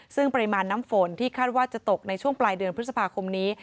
ซึ่งปริมาณน้ำฝนที่คาดว่าจะตกในช่วงปลายเดือนพฤษภาคมนี้